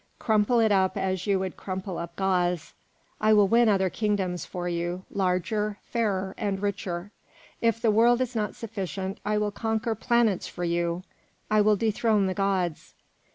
Crumple it up as you would crumple up gauze, I will win other kingdoms for you, larger, fairer, and richer. If the world is not sufficient, I will conquer planets for you, I will dethrone the gods.